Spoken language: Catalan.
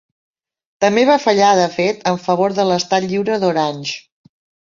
També va fallar de fet en favor de l'Estat Lliure d'Orange.